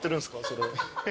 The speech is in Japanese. それ。